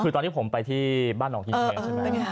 คือตอนที่ผมไปที่บ้านหนองฮิงเพลงใช่ไหม